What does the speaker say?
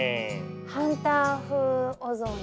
ハンター風お雑煮。